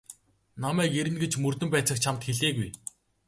Намайг ирнэ гэж мөрдөн байцаагч чамд хэлээгүй.